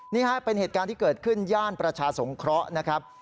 นี่ฮะเป็นเหตุการณ์ที่เกิดขึ้นย่านประชาสงเคราะห์นะครับ